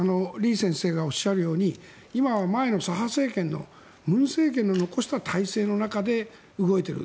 李先生がおっしゃるように今は前の左派政権の文政権の残した体制の中で動いている。